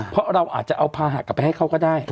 เพราะเราอาจจะเอาภาหะกลับไปให้เขาก็ได้